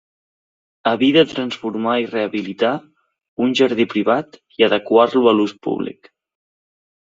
Havia de transformar i rehabilitar un jardí privat i adequar-lo a l'ús públic.